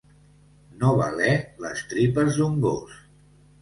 No valer les tripes d'un gos.